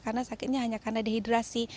karena sakitnya hanya karena dehidrasi